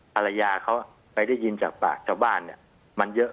ภรรยาเขาไปได้ยินจากปากชาวบ้านเนี่ยมันเยอะ